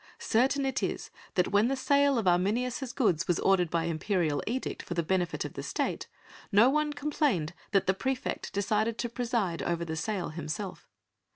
Certain it is that when the sale of Arminius' goods was ordered by imperial edict for the benefit of the State, no one complained that the praefect decided to preside over the sale himself.